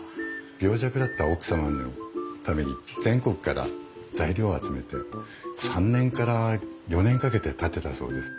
病弱だった奥様のために全国から材料を集めて３年から４年かけて建てたそうです。